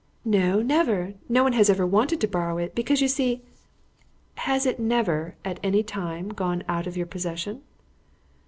"No, never. No one has ever wanted to borrow it, because, you see " "Has it never, at any time, gone out of your possession?"